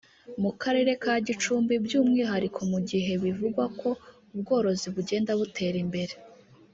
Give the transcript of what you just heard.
mu Karere ka Gicumbi by’umwihariko mu gihe bivugwa ko ubworozi bugenda butera imbere